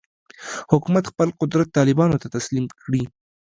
حکومت خپل قدرت طالبانو ته تسلیم کړي.